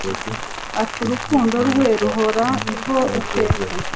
iti urukundo rwe ruhoraho iteka